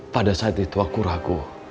pada saat itu aku ragu